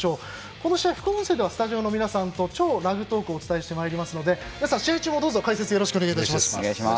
この試合、副音声ではスタジオの皆さんとは「超ラグトーク」をお伝えしていきますので皆さん、試合中も解説をお願いします。